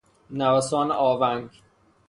نوسان آونگ